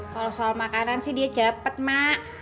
kalau soal makanan sih dia cepet mak